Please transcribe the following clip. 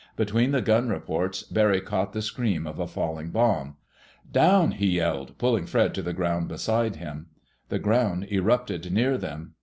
Between the gun reports, Barry caught the scream of a falling bomb. "Down!" he yelled, pulling Fred to the ground beside him. The ground erupted near them.